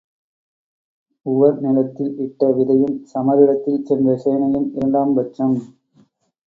உவர் நிலத்தில் இட்ட விதையும் சமரிடத்தில் சென்ற சேனையும் இரண்டாம் பட்சம்.